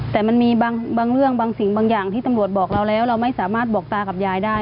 แต่มันมีบางเรื่องบางสิ่งบางอย่างที่ตำรวจบอกเราแล้วเราไม่สามารถบอกตากับยายได้